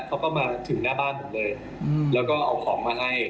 เค้าก็มาถึงหน้าบ้านแบบนี้เค้าเอาของมาให้